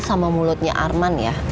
sama mulutnya arman ya